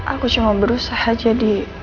aku cuma berusaha jadi